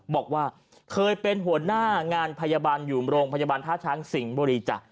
บอกว่าเคยเป็นหัวหน้างานพยาบาลอยู่โรงพยาบาลท่าช้างสิงห์บุรีจ้ะ